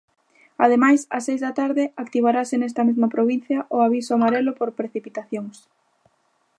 Ademais, ás seis da tarde activarase nesta mesma provincia o aviso amarelo por precipitacións.